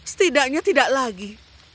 setidaknya tidak lagi